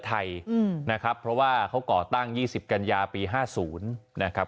นะครับเพราะว่าเขาก่อตั้ง๒๐กันยาปี๕๐นะครับ